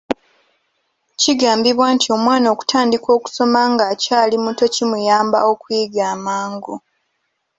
Kigambibwa nti omwana okutandika okusoma nga akyali muto kimuyamba okuyiga amangu.